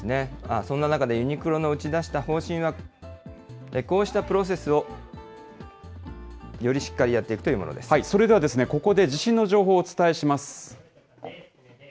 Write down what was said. そんな中で、ユニクロの打ち出した方針は、こうしたプロセスをよりしっかりやっていくというものそれではですね、ここで地震の情報をお伝えします。